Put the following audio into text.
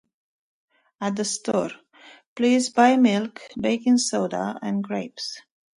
At the store, please buy milk, baking soda, and grapes.